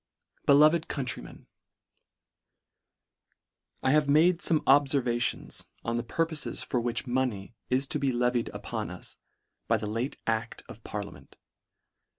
Beloved Countrymen, IH A V E made fome obfervations on the purpofes for which money is to be levied upon us by the late ad: of parliament.